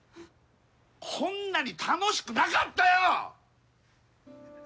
こんなに楽しくなかったよ！